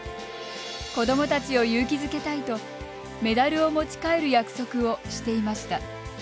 子どもたちを勇気づけたいとメダルを持ち帰る約束をしていました。